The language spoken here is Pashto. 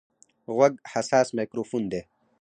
غوږ حساس مایکروفون دی.